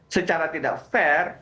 secara tidak fair